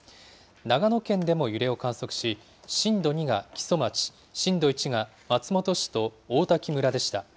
長野県でも揺れを観測し、震度２が木曽町、震度１が松本市とおおたき村でした。